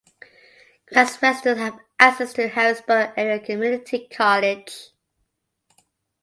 Gratz residents have access to Harrisburg Area Community College.